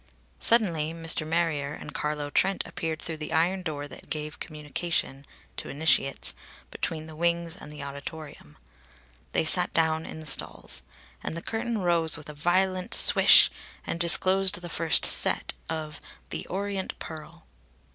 Suddenly Mr. Marrier and Carlo Trent appeared through the iron door that gave communication to initiates between the wings and the auditorium; they sat down in the stalls. And the curtain rose with a violent swish, and disclosed the first "set" of "The Orient Pearl."